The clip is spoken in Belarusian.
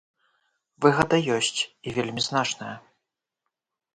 Выгада ёсць, і вельмі значная.